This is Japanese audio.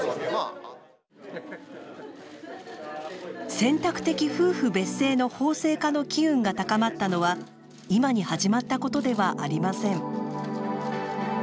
選択的夫婦別姓の法制化の機運が高まったのは今に始まったことではありません。